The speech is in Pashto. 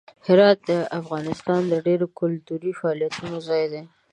هرات د افغانستان د ډیرو کلتوري فعالیتونو ځای دی.